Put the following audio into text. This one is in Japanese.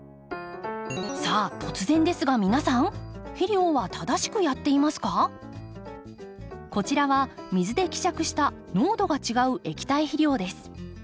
さあ突然ですが皆さんこちらは水で希釈した濃度が違う液体肥料です。